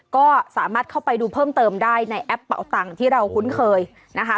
ก็สามารถเข้าไปดูเพิ่มเติมได้ในแอปเป่าตังค์ที่เราคุ้นเคยนะคะ